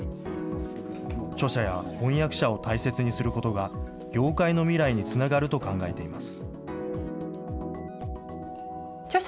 著者や翻訳者を大切にすることが業界の未来につながると考えています。